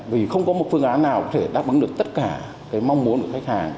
vì không có một phương án nào có thể đáp ứng được tất cả cái mong muốn của khách hàng